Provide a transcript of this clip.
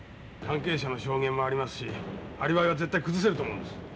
関係者の証言もありますしアリバイは絶対崩せると思うんです。